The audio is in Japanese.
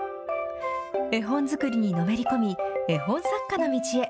絵本作りにのめり込み、絵本作家の道へ。